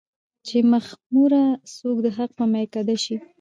چې مخموره څوک د حق په ميکده شي